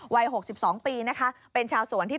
วัย๖๒ปีนะคะเป็นชาวสวนที่